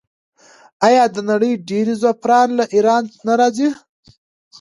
آیا د نړۍ ډیری زعفران له ایران نه راځي؟